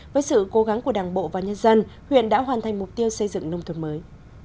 với sự cố gắng của đảng bộ và nhân dân huyện đã hoàn thành mục tiêu xây dựng nông thuận mới